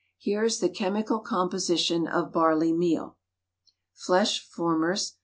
Here is the chemical composition of barley meal: Flesh formers 7.